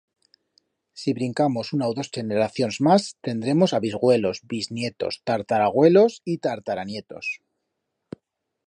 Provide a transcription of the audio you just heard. Si brincamos una u dos cheneracions mas, tendremos a bisvuelos, bisnietos, tartaravuelos y tartaranietos.